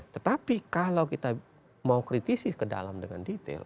tetapi kalau kita mau kritisi ke dalam dengan detail